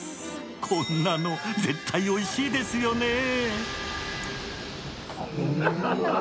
こんなの絶対おいしいですよねぇ。